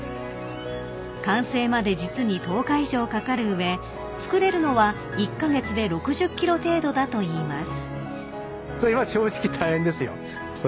［完成まで実に１０日以上かかる上つくれるのは１カ月で６０ｋｇ程度だといいます］